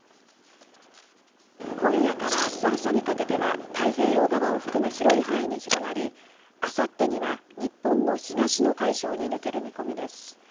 今夜からあす朝にかけては、太平洋側を含む広い範囲に広がり、あさってには日本の東の海上に抜ける見込みです。